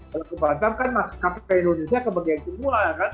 kalau ke batam kan mas kppi indonesia kebagian semua ya kan